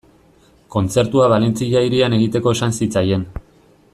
Kontzertua Valentzia hirian egiteko esan zitzaien.